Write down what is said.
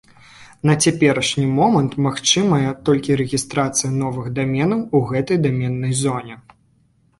На цяперашні момант магчымая толькі рэгістрацыя новых даменаў у гэтай даменнай зоне.